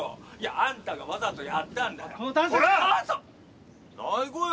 あんたがわざとやったんだよ。